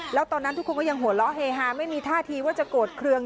แล้วตอนนั้นทุกคนก็ยังหัวเราะเฮฮาไม่มีท่าทีว่าจะโกรธเครื่อง